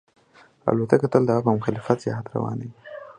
الوتکه تل د هوا په مخالف جهت روانه وي.